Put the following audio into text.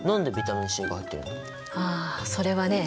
ああそれはね